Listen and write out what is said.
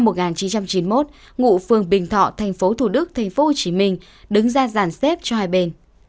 nguyễn thành nhân sinh năm hai nghìn một ngụ phường bình thọ thành phố thủ đức thành phố hồ chí minh đứng ra giản xếp cho hai bên